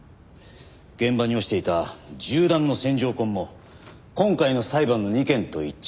現場に落ちていた銃弾の線条痕も今回の裁判の２件と一致。